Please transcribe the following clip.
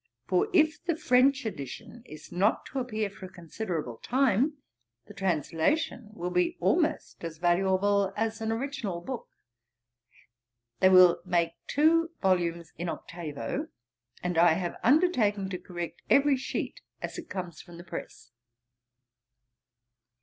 For if the French edition is not to appear for a considerable time, the translation will be almost as valuable as an original book. They will make two volumes in octavo; and I have undertaken to correct every sheet as it comes from the press.'